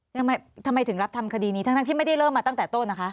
เพราะอะไรอ่ะคะทำไมถึงรับทำคดีนี้ทั้งที่ไม่ได้เริ่มมาตั้งแต่ต้นอ่ะคะ